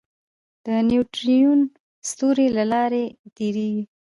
د نیوټرینو ستوري له لارې تېرېږي.